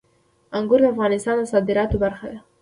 انګور د افغانستان د صادراتو برخه ده.